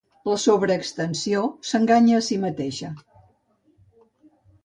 La sobreextensió s'enganya a si mateixa.